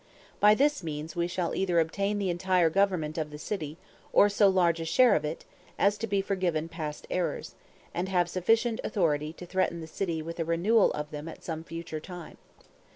By this means we shall either obtain the entire government of the city, or so large a share of it, as to be forgiven past errors, and have sufficient authority to threaten the city with a renewal of them at some future time.